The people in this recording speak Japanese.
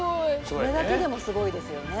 これだけでもすごいですよね。